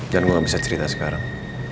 dan gue gak bisa cerita sekarang